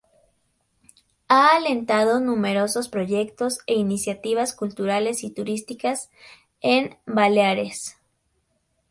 Ha alentado numerosos proyectos e iniciativas culturales y turísticas en Baleares.